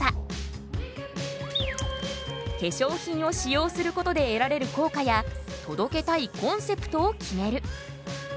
化粧品を使用することで得られる効果や届けたいコンセプトを決める。